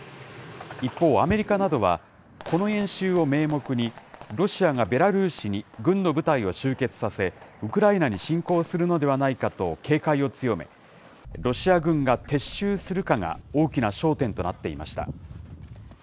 一方、アメリカなどは、この演習を名目に、ロシアがベラルーシに軍の部隊を集結させ、ウクライナに侵攻するのではないかと警戒を強め、ロシア軍が撤収するかが大きな焦点となっていました。